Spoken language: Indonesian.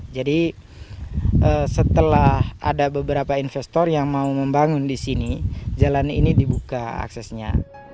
jadi setelah ada beberapa investor yang mau membangun di sini jalan ini dibuka aksesnya